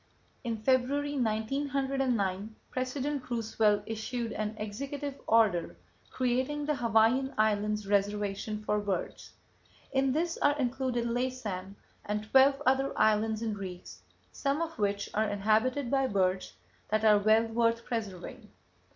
In February, 1909, President Roosevelt issued an executive order creating the Hawaiian Islands Reservation for Birds. In this are included Laysan and twelve other islands and reefs, some of which are inhabited by birds that are well worth preserving.